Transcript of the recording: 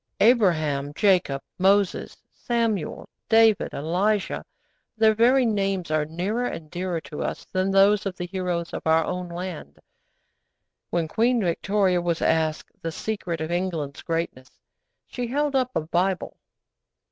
Abraham, Jacob, Moses, Samuel, David, Elijah their very names are nearer and dearer to us than those of the heroes of our own land. When Queen Victoria was asked the secret of England's greatness, she held up a Bible.